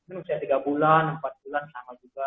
ini usia tiga bulan empat bulan sama juga